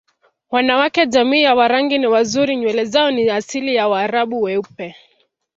Wanawake jamii ya Warangi ni wazuri nywele zao ni asili ya waraabu weupe